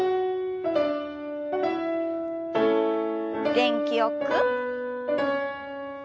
元気よく。